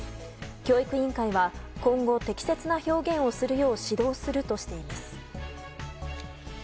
教育委員会は今後、適切な表現をするよう指導するとしています。